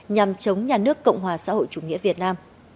nhằm chống nhà nước cộng hòa xã hội chủ nghĩa